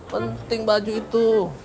penting baju itu